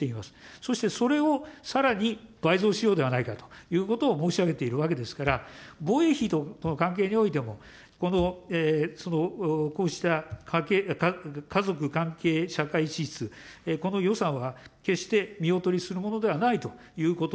そしてそれをさらに倍増しようではないかということを申し上げているわけですから、防衛費との関係においても、こうした家族関係社会支出、この予算は決して見劣りするものではないということ、